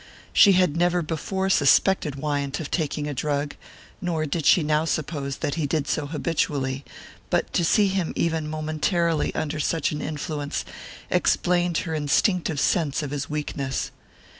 She had never before suspected Wyant of taking a drug, nor did she now suppose that he did so habitually; but to see him even momentarily under such an influence explained her instinctive sense of his weakness.